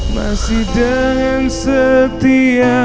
masih dengan setia